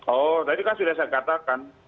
oh tadi kan sudah saya katakan